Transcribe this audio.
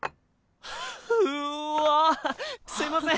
うわすいません！